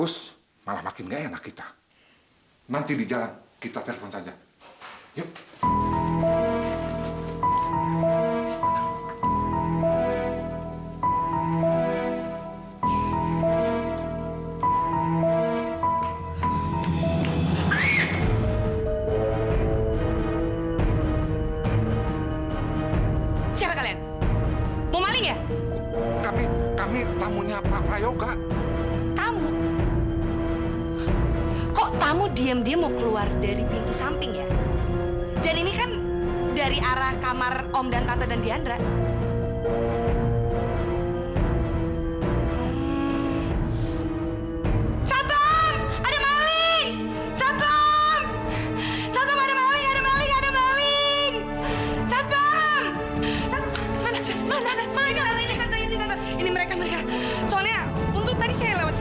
soalnya untuk tadi saya lewat sini